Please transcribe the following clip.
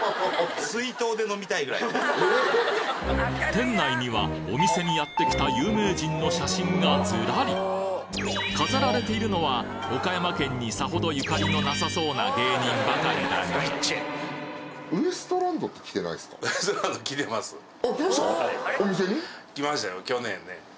店内にはお店にやって来た有名人の写真がズラリ飾られているのは岡山県にさほどゆかりのなさそうな芸人ばかりだが来ました？